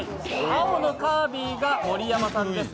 青のカービィが盛山さんです。